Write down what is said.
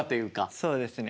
そうですね。